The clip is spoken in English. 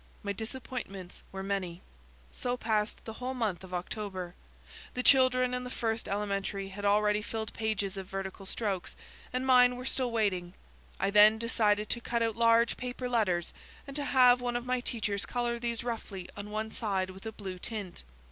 My disappointments were many. So passed the whole month of October. The children in the first elementary had already filled pages of vertical strokes, and mine were still waiting. I then decided to cut out large paper letters, and to have one of my teachers colour these roughly on one side with a blue tint.